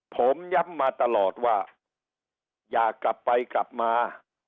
ผมย้ำมาตลอดว่าอยากกลับไปกลับมา